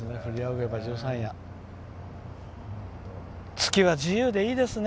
月は自由でいいですね。